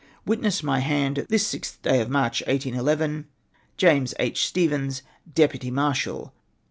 Witness my hand, this sixth day of March, 1811. — Jas. H. Stevens, Deputy Marshal.